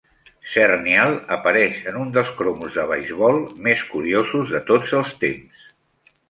Zernial apareix en un dels cromos de beisbol més curiosos de tots els temps.